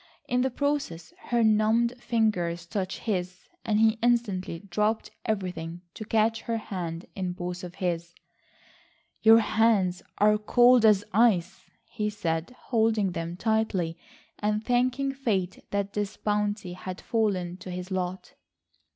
In the process her numbed fingers touched his, and he instantly dropped everything to catch her hand in both of his. "Your hands are as cold as ice," he said, holding them tightly, and thanking Fate that this bounty had fallen to his lot.